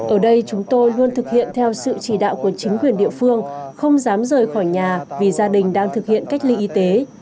ở đây chúng tôi luôn thực hiện theo sự chỉ đạo của chính quyền địa phương không dám rời khỏi nhà vì gia đình đang thực hiện cách ly y tế